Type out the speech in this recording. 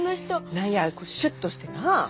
何やシュッとしてな。